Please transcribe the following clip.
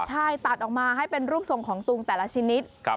ใช่ตัดออกมาให้เป็นรูปทรงของตุงแต่ละชนิด